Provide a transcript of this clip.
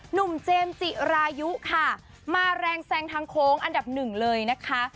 เจมส์จิรายุค่ะมาแรงแซงทางโค้งอันดับหนึ่งเลยนะคะ